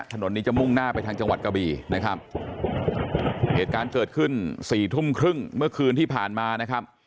ถนนนี้จะมุ่งหน้าไปทางจังหวัดกะบี่นะครับเหตุการณ์เกิดขึ้นสี่ทุ่มครึ่งเมื่อคืนที่ผ่านมานะครับ